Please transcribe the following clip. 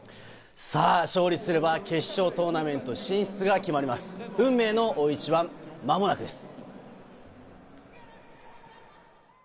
さぁ、勝利すれば決勝トーナメント進出が決まる運命の大一番、間もなくです。